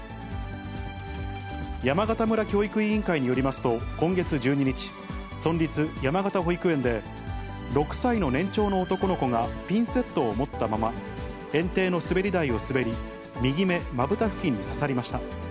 山形村教育委員会によりますと、今月１２日、村立山形保育園で、６歳の年長の男の子がピンセットを持ったまま、園庭の滑り台を滑り、右目まぶた付近に刺さりました。